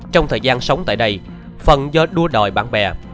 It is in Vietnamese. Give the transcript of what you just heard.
trong thời gian sống tại đây phần do đua đòi bạn bè